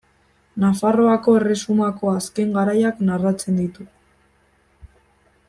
Nafarroako erresumako azken garaiak narratzen ditu.